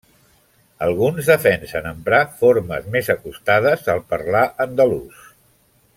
Alguns defensen emprar formes més acostades al parlar andalús.